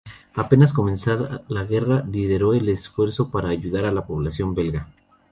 Apenas comenzada la guerra lideró el esfuerzo para ayudar a la población belga.